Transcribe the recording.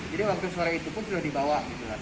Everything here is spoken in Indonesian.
jadi waktu sore itu pun sudah dibawa